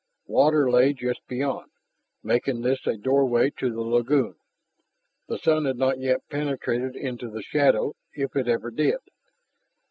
Water lay just beyond, making this a doorway to the lagoon. The sun had not yet penetrated into the shadow, if it ever did.